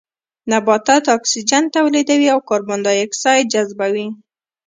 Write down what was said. نباتات اکسيجن توليدوي او کاربن ډای اکسايد جذبوي